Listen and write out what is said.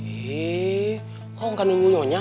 eh kok gak nunggu nunggu nya